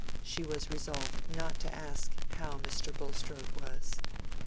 She was resolved not to ask how Mr. Bulstrode was.